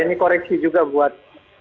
ini koreksi juga buat